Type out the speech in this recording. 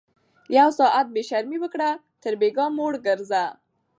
ـ يو ساعت بې شرمي وکړه تر بيګاه موړ ګرځه